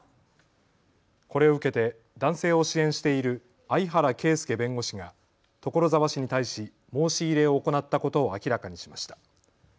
これを受けて男性を支援している相原啓介弁護士が所沢市に対し申し入れを行ったことを明らかにしました。